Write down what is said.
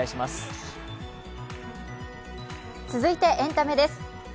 続いてエンタメです。